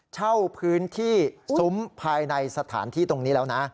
เช่าพื้นที่ซุ้มภายในสถานที่ตรงนี้แล้วนะ